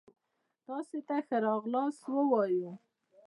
تاسي ته ښه را غلاست وايو